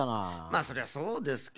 まっそりゃそうですけど。